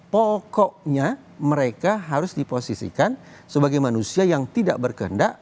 pokoknya mereka harus diposisikan sebagai manusia yang tidak berkendak